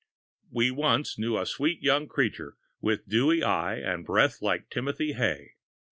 We once knew a sweet young creature, with dewy eye and breath like timothy hay.